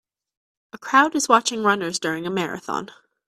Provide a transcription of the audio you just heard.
A crowd is watching runners during a marathon.